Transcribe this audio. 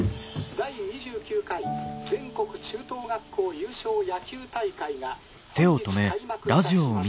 第２９回全国中等学校優勝野球大会が本日開幕いたします。